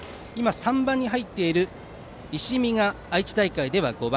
３番に入っている石見が愛知大会では５番。